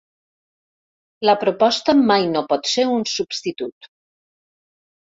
La proposta mai no pot ser un substitut.